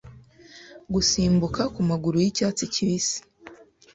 Gusimbuka kumaguru yicyatsi kibisi